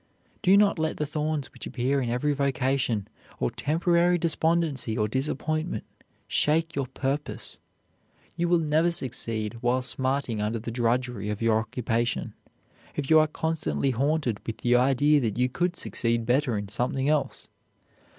Do not let the thorns which appear in every vocation, or temporary despondency or disappointment, shake your purpose. You will never succeed while smarting under the drudgery of your occupation, if you are constantly haunted with the idea that you could succeed better in something else.